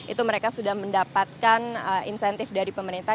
itu mereka sudah mendapatkan insentif dari pemerintah